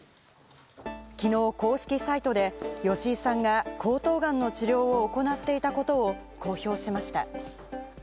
きのう、公式サイトで吉井さんが喉頭がんの治療を行っていたことを公表しました。